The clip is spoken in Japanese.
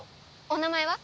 お名前は？